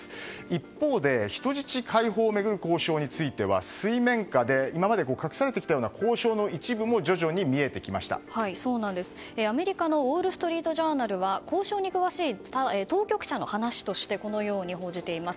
一方で、人質解放を巡る交渉については水面下で今まで隠されてきたような交渉のアメリカのウォール・ストリート・ジャーナルは交渉に詳しい当局者の話としてこう報じています。